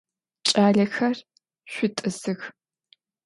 Кӏалэхэр, шъутӏысых!